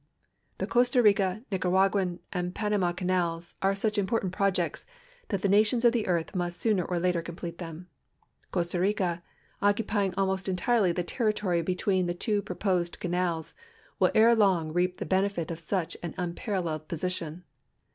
The Costa Rica Nicaraguan and Panama canals are such im portant projects that the nations of the earth must sooner or later complete them. Costa Rica, occupying almost entirely the territory between the two proposed canals, will ere long reap the benefit of such an unparalleled position.